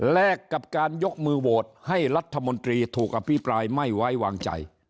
กับการยกมือโหวตให้รัฐมนตรีถูกอภิปรายไม่ไว้วางใจ